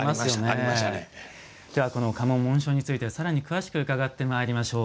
この家紋・紋章についてさらに詳しく伺ってまいりましょう。